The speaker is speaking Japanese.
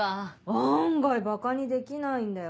案外ばかにできないんだよ。